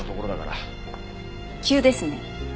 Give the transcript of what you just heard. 急ですね。